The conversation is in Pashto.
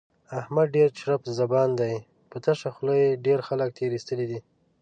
احمد ډېر چرب زبان دی، په تشه خوله یې ډېر خلک تېر ایستلي دي.